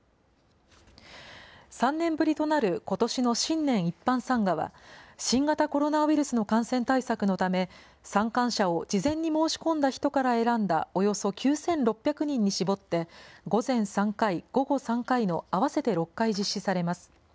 ３年ぶりとなる、ことしの新年一般参賀は、新型コロナウイルスの感染対策のため、参観者を事前に申し込んだ人から選んだおよそ９６００人に絞って、午前３回、午後３回の合わせて６回実施されます。